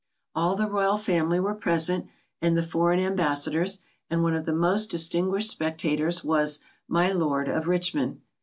All the royal family were present, and the foreign ambassadors, and one of the most distinguished spectators was "my lord of Richmond."